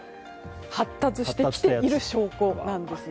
発達してきている証拠なんです。